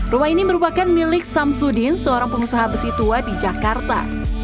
rumah ini merupakan milik samsudin seorang pengusaha besi tua di jakarta